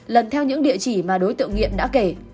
lần theo những địa chỉ mà đối tượng nghiện đã kể